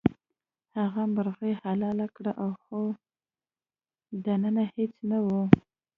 هغه مرغۍ حلاله کړه خو دننه هیڅ نه وو.